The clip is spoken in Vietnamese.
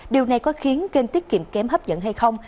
điều này có khiến kênh tiết kiệm kém hấp dẫn hay không